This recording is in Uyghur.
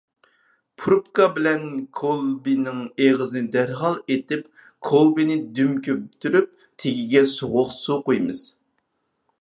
پۇرۇپكا بىلەن كولبىنىڭ ئېغىزىنى دەرھال ئېتىپ، كولبىنى دۈم كۆمتۈرۈپ تېگىگە سوغۇق سۇ قۇيىمىز.